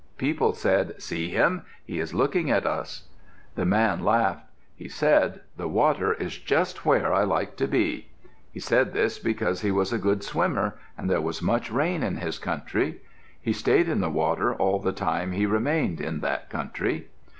People said, "See him. He is looking at us." The man laughed. He said, "The water is just where I like to be." He said this because he was a good swimmer and there was much rain in his country. He stayed in the water all the time he remained in that country.